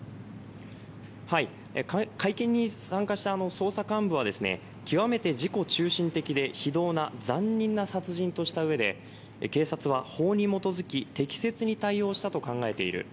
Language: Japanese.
会見に参加した捜査幹部は極めて自己中心的で非道な残忍な殺人としたうえで警察は法に基づき適切に対応したと考えている。